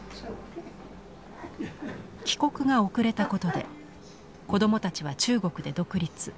帰国が遅れたことで子どもたちは中国で独立。